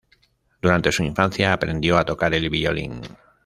Durante su infancia, aprendió a tocar el violín.